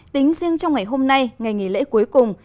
tính riêng trong ngày hôm nay ngày nghỉ lễ cuối cùng